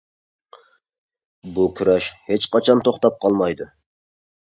بۇ كۈرەش ھېچ قاچان توختاپ قالمايدۇ.